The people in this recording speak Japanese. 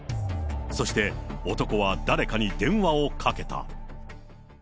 そして男は誰かに電話をかけた。